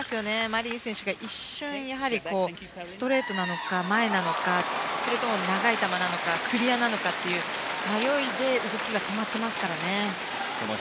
マリン選手が一瞬ストレートなのか前なのか、それとも長い球なのかクリアなのかという迷いで動きが止まっていますからね。